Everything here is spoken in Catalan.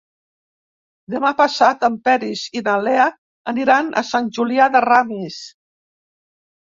Demà passat en Peris i na Lea aniran a Sant Julià de Ramis.